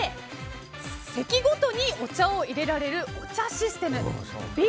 Ａ、席ごとにお茶を入れられるお茶システム。